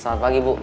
selamat pagi bu